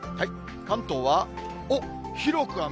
関東は、おっ、広く雨。